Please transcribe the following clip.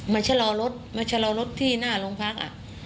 มาชะลอรถมาชะลอรถที่หน้าโรงพักษณ์อ่ะ